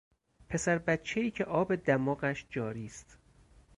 پسر بچهای که آب دماغش جاری است